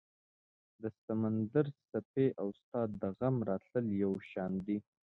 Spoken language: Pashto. د سمندر څپې او ستا د غم راتلل یو شان دي